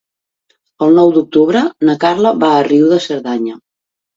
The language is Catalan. El nou d'octubre na Carla va a Riu de Cerdanya.